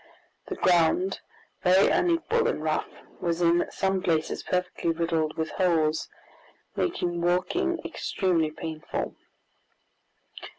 The ground, very unequal and rough, was in some places perfectly riddled with holes, making walking extremely painful.